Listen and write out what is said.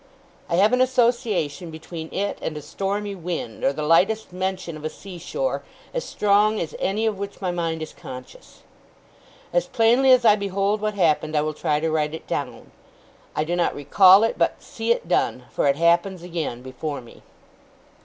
I have an association between it and a stormy wind, or the lightest mention of a sea shore, as strong as any of which my mind is conscious. As plainly as I behold what happened, I will try to write it down. I do not recall it, but see it done; for it happens again before me.